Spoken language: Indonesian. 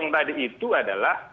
tiga sepuluh tadi itu adalah